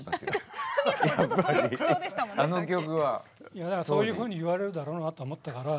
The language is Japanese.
いやだからそういうふうに言われるだろうなと思ったから。